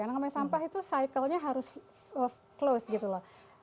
yang namanya sampah itu cycle nya harus off close gitu loh